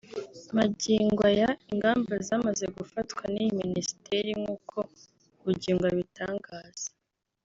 Magingo aya ingamba zamaze gufatwa n’iyi minisiteri nk’uko Bugingo abitangaza